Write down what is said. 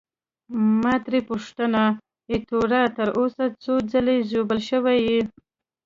ما ترې وپوښتل: ایټوره، تر اوسه څو ځلي ژوبل شوی یې؟